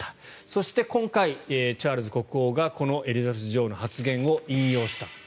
そして、今回、チャールズ国王がこのエリザベス女王の発言を引用した。